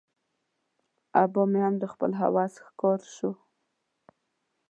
آبا مې هم د خپل هوس ښکار شو.